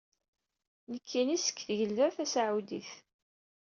Nekkini seg Tagelda Tasaɛudit.